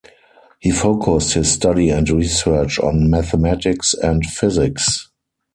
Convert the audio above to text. He focused his study and research on mathematics and physics.